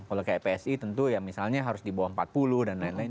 kalau kayak psi tentu ya misalnya harus di bawah empat puluh dan lain lain